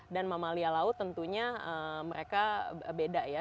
dan mamalia laut tentunya mereka beda ya